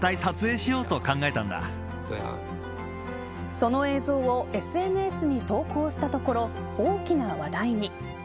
その映像をＳＮＳに投稿したところ大きな話題に。